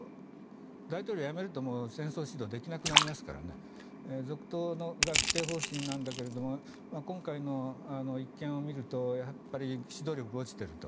大統領を辞めると戦争指導できなくなりますから続投が既定方針だけども今回の１件を見ると指導力が落ちていると。